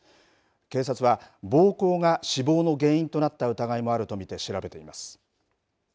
警察は暴行が死亡の原因となった疑いもあると見て調べています。